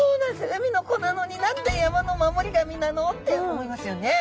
海の子なのに何で山の守り神なの？って思いますよね。